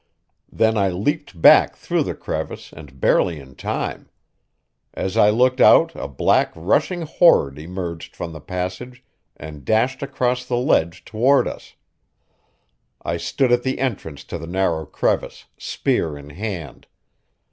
Then I leaped back through the crevice, and barely in time. As I looked out a black, rushing horde emerged from the passage and dashed across the ledge toward us. I stood at the entrance to the narrow crevice, spear in hand.